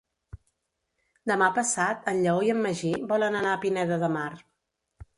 Demà passat en Lleó i en Magí volen anar a Pineda de Mar.